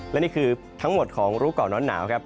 และนี่คือทั้งหมดของรู้ก่อนร้อนหนาวครับ